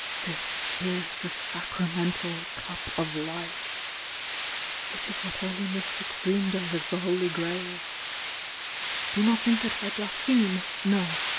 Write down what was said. This IS the Sacramental Cup of Life' It la what early mystics dreamed of as the Holy Grail Do not think that I blaspheme ! no!